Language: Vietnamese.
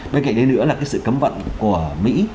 bên cạnh đấy nữa là cái sự cấm vận của mỹ